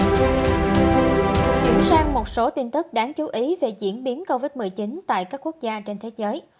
chuyển sang một số tin tức đáng chú ý về diễn biến covid một mươi chín tại các quốc gia trên thế giới